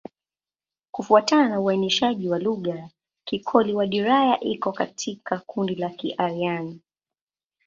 Kufuatana na uainishaji wa lugha, Kikoli-Wadiyara iko katika kundi la Kiaryan.